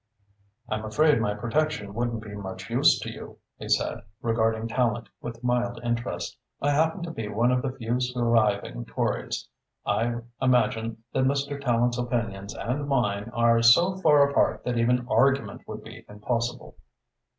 "I'm afraid my protection wouldn't be much use to you," he said, regarding Tallente with mild interest. "I happen to be one of the few surviving Tories. I imagine that Mr. Tallente's opinions and mine are so far apart that even argument would be impossible."